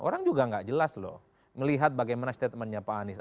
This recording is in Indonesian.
orang juga nggak jelas loh melihat bagaimana statementnya pak anies